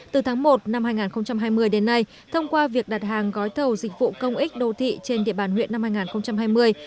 từ tháng một năm hai nghìn hai mươi đến nay thông qua việc đặt hàng gói thầu dịch vụ công ích đô thị trên địa bàn huyện năm hai nghìn hai mươi